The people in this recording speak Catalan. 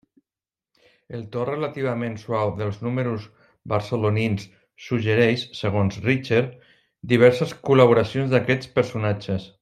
El to relativament suau dels números barcelonins suggereix, segons Richter, diverses col·laboracions d'aquests personatges.